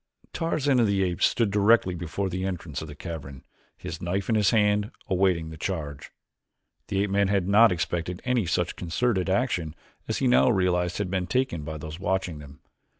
Tarzan of the Apes stood directly before the entrance to the cavern, his knife in his hand, awaiting the charge. The ape man had not expected any such concerted action as he now realized had been taken by those watching them.